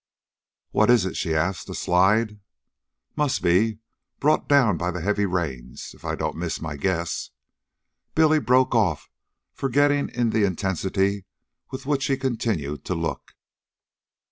"What is it?" she asked. "A slide?" "Must be brought down by the heavy rains. If I don't miss my guess " Billy broke off, forgetting in the intensity with which he continued to look.